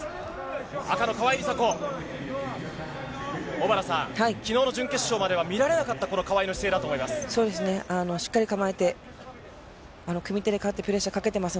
小原さん、昨日の準決勝までは見られなかった川井の姿勢だと思います。